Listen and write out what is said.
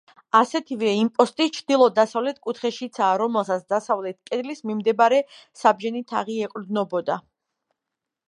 ასეთივე იმპოსტი ჩრდილო-დასავლეთ კუთხეშიცაა, რომელსაც დასავლეთ კედლის მიმდებარე საბჯენი თაღი ეყრდნობოდა.